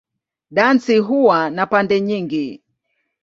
Dansi huwa na pande nyingi.